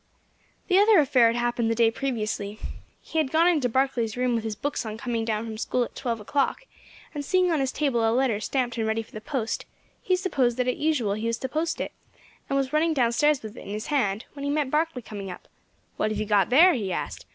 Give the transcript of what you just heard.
"The other affair had happened the day previously. He had gone into Barkley's room with his books on coming down from school at twelve o'clock, and seeing on his table a letter stamped and ready for the post, he supposed that as usual he was to post it, and was running downstairs with it in his hand when he met Barkley coming up. 'What have you got there?' he asked.